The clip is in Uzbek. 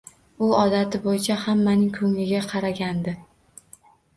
U odati bo`yicha hammaning ko`ngliga qaragandi